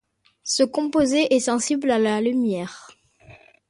Ce composé est sensible à la lumière.